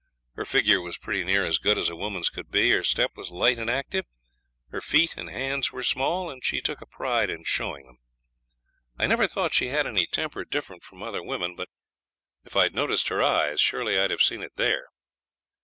Her figure was pretty near as good as a woman's could be; her step was light and active; her feet and hands were small, and she took a pride in showing them. I never thought she had any temper different from other women; but if I'd noticed her eyes, surely I'd have seen it there.